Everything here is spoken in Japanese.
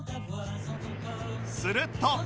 すると